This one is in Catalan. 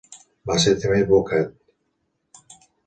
Va ser també advocat.